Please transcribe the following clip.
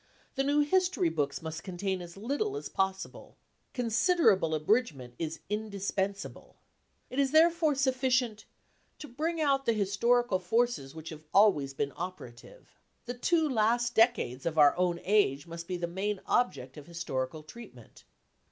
The new history books must contain as little as possible. ce Considerable abridgment is indispensable." It is therefore sufficient ce to bring out the historical forces which have always been operative." The two last decades of our own age must be the main object of historical treatment.